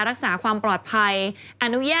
รักษาความปลอดภัย